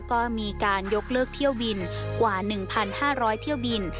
ก็มีการยกเลิกเที่ยวบินกว่า๑๕๐๐เที่ยวบิน